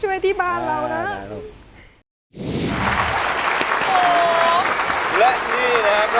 อายุ๒๔ปีวันนี้บุ๋มนะคะ